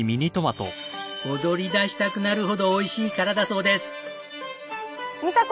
踊り出したくなるほどおいしいからだそうです。